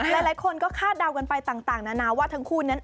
หลายคนก็คาดเดากันไปต่างนานาว่าทั้งคู่นั้น